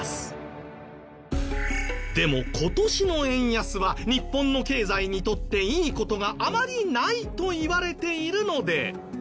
でも今年の円安は日本の経済にとっていい事があまりないといわれているので。